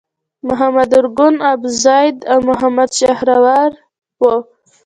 محمد ارګون، ابوزید او محمد شحرور وو.